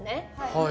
はい。